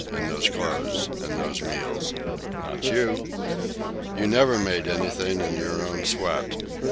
and those clothes? and those meals? Not you. You never made anything in your own sweat.